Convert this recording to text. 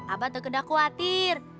abah terkedah khawatir